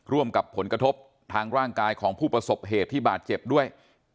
ร่วมกับผลกระทบทางร่างกายของผู้ประสบเหตุที่บาดเจ็บด้วย